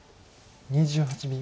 ２８秒。